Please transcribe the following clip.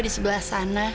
di sebelah sana